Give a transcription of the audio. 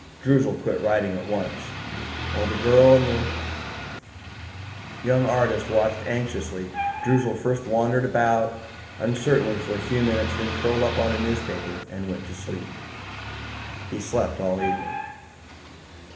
Droozle quit writing at once. While the girl and the young artist watched anxiously, Droozle first wandered about uncertainly for a few minutes and then curled up on a newspaper and went to sleep. He slept all evening.